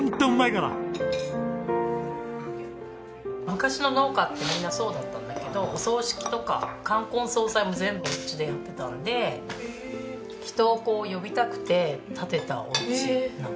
昔の農家ってみんなそうだったんだけどお葬式とか冠婚葬祭も全部おうちでやってたんで人を呼びたくて建てたおうちなの。